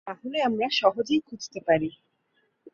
তাহলে আমরা সহজেই খুঁজতে পারি।